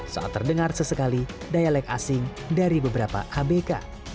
saat terdengar sesekali dialek asing dari beberapa abk